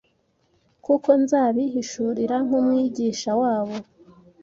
kuko nzabihishurira nk’Umwigisha wabo.”